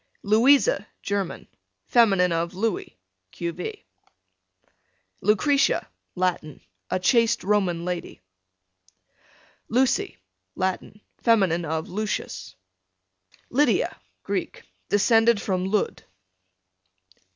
Louisa, German. fem. of Louis, q.v. Lucretia, Latin, a chaste Roman lady. Lucy, Latin, fem. of Lucius. Lydia. Greek, descended from Lud.